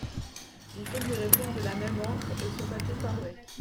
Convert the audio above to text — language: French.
Il faut lui répondre de la même encre et sur papier timbré…